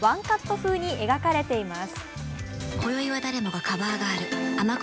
風に描かれています。